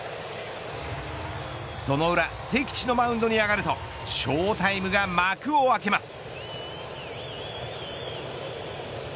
その裏敵地のマウンドに上がるとショータイムが幕を開けます。